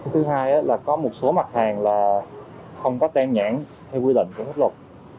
thứ hai là có một số mặt hàng là không có tem nhãn theo quy định của pháp luật